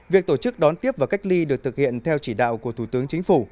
việc tổ chức đón tiếp và cách ly được thực hiện theo chỉ đạo của thủ tướng chính phủ